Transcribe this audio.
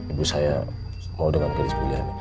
ibu saya mau dengan gadis pilihan